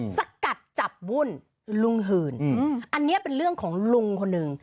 สกัดจับวุ่นลุงหื่นอันนี้เป็นเรื่องของลุงคนหนึ่ง